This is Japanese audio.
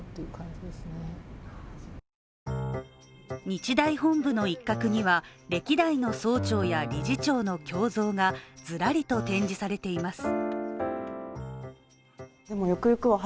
日大本部の一角には歴代の総長や理事長の胸像がずらりと展示されています。